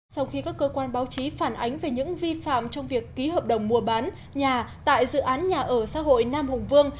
sau khi các cơ quan báo chí phản ánh về những vi phạm trong việc ký hợp đồng mua bán nhà tại dự án nhà ở xã hội nam hùng vương